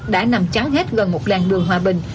đã nằm cháo hết gần một làng đường hòa bình